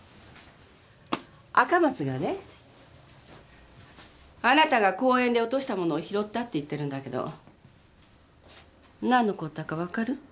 赤松がねあなたが公園で落としたものを拾ったって言ってるんだけど何のことだかわかる？